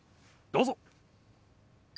どうぞ。